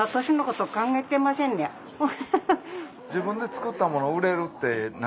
自分で作ったもの売れるって。